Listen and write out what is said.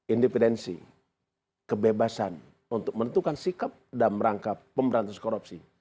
independensi kebebasan untuk menentukan sikap dan merangkap pemberantasan korupsi